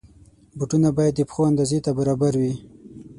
بوټونه باید د پښو اندازې ته برابر وي.